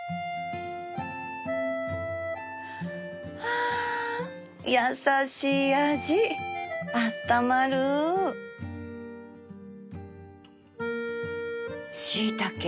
あ優しい味あったまるしいたけおいしい